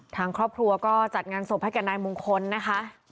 ทางครอบครัวก็จัดงานศพให้แก่นายมงคลนะคะ